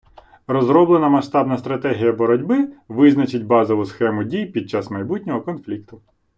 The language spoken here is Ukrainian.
Розроблена масштабна стратегія боротьби визначить базову схему дій під час майбутнього конфлікту.